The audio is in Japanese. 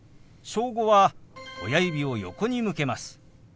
「小５」は親指を横に向けます。